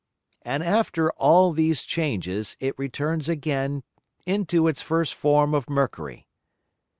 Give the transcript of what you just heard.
And after all these Changes it returns again into its first form of Mercury.